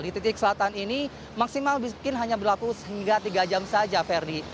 di titik selatan ini maksimal mungkin hanya berlaku hingga tiga jam saja ferdi